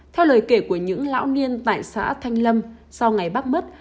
theo lời kể của những lão niên tại xã thanh lâm sau ngày bác mất